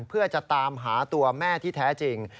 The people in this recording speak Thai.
เพื่อจะตามหาตัวแม่ที่แท้จริง